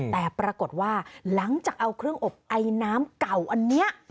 แต่ปรากฏว่าหลังจากเอาเครื่องอบไอน้ำเก่าอันนี้